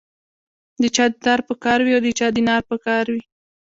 د چا دیدار په کار وي او د چا دینار په کار وي.